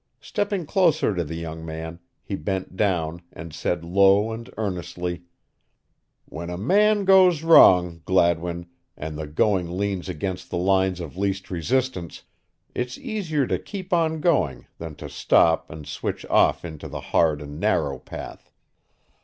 Stepping closer to the young man, he bent down and said low and earnestly: "When a man goes wrong, Gladwin, and the going leans against the lines of least resistance, it's easier to keep on going than to stop and switch off into the hard and narrow path.